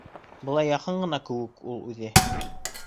Былай яҡын ғына кеүек ул үҙе.